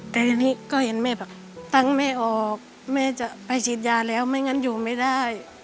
แต่ยันนี้ตั้งแม่ออกแม่จะไปถี่นยาแล้วไม่งั้นอยู่ไม่ได้